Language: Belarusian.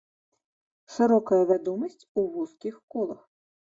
Шырокая вядомасць у вузкіх колах.